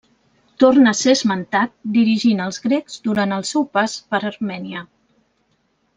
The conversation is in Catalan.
Torna a ser esmentat dirigint als grecs durant el seu pas per Armènia.